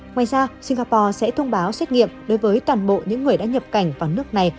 ngoài ra singapore sẽ thông báo xét nghiệm đối với toàn bộ những người đã nhập cảnh vào nước này